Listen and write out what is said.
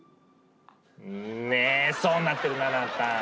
寝そうになってるなまた。